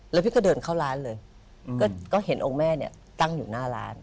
แล้วพี่ก็เดินเข้าร้านเลยก็เห็นองค์แม่เนี่ยตั้งอยู่หน้าร้าน